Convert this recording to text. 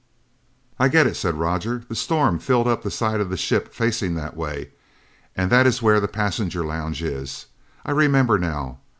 "I get it!" said Roger. "The storm filled up the side of the ship facing that way, and that is where the passenger lounge is. I remember now.